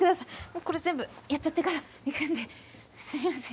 これ全部やっちゃってから行くんですいません。